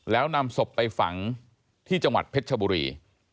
แล้วนำศพไปฝังที่จังหวัดเพชรชบุรี